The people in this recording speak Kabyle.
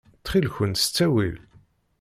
Ttxil-kent s ttawil.